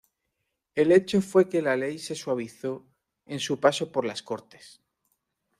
El hecho fue que la ley se suavizó en su paso por las Cortes.